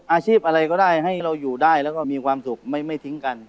อาชีพอะไรก็ได้ให้เราอยู่ได้แล้วก็มีความสุขไม่ทิ้งกัน